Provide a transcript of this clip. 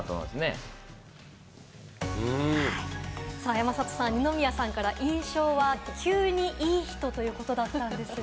山里さん、二宮さんから印象は、急にいい人ということだったんですが。